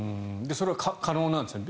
それは可能なんですね。